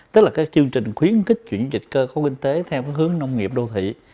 tức là cái chương trình khuyến khích chuyển dịch cơ cấu kinh tế theo hướng nông nghiệp đô thị